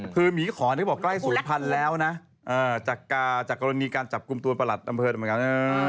คือหมีขอนี่เขาบอกใกล้๐พันแล้วนะจากกรณีการจับกลุ่มตัวประหลัดอำเภิกัน